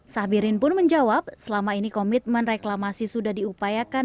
sahbirin pun menjawab selama ini komitmen reklamasi sudah diupayakan